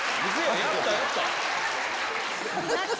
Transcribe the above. やった、やった。